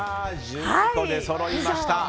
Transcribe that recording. １２個出そろいました。